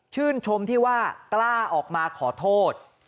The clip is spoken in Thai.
ชื่นชมที่ว่ากล้าออกมาขอโทษ